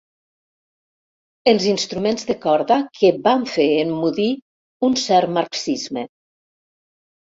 Els instruments de corda que van fer emmudir un cert marxisme.